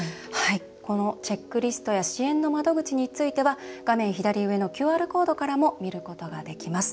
このチェックリストや支援の窓口については画面左上のＱＲコードからも見ることができます。